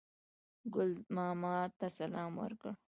ګل ماما ته سلام ورکړ.